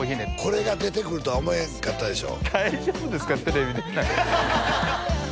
これが出てくるとは思わへんかったでしょ？